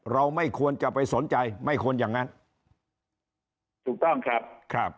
เราไม่ควรจะไปสนใจไม่ควรอย่างนั้นถูกต้องครับครับ